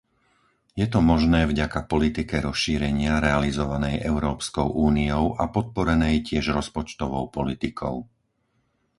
Je to možné vďaka politike rozšírenia realizovanej Európskou úniou a podporenej tiež rozpočtovou politikou.